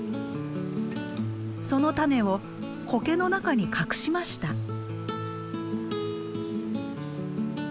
その種をコケの中に隠しました。